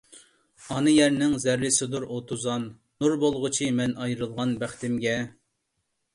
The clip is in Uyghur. ئانا يەرنىڭ زەررىسىدۇر ئۇ توزان، نۇر بولغۇچى، مەن ئايرىلغان بەختىمگە!